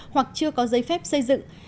hoặc chưa có giấy phép xây dựng